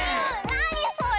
なにそれ？